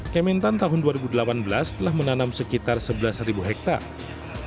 kementan tahun dua ribu delapan belas telah menanam sekitar sebelas hektare